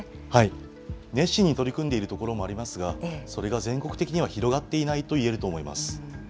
熱心に取り組んでいるところもありますが、それが全国的には広がっていないといえると思います。